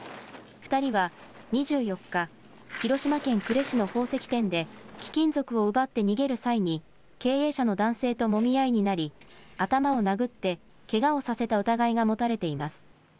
２人は２４日、広島県呉市の宝石店で、貴金属を奪って逃げる際に、経営者の男性ともみ合いになり、頭を殴ってけがをさせた疑いが持たれています。